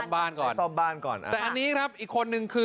กันแล้วเนี่ยนึกมาพูดมานี่ครับอีกคนนึงคือ